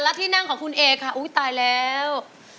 และที่นั่งของคุณเอค่ะอุ้ยตายแล้ว